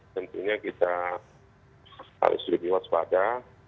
tentunya kita harus lebih waspada